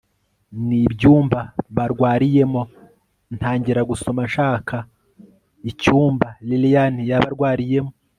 nibyumba barwariyemo ntangira gusoma nshaka icyumba lilian yaba arwariyemo